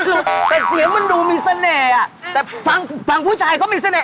เหมือนเสียงมันดูมีเสน่ห์ฟังหว่าที่มีเสน่ห์